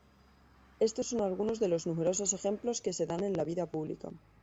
Estos son algunos de los numerosos ejemplos que se dan en la vida pública.